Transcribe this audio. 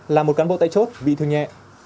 là một cán bộ tại chốt bị thương nhẹ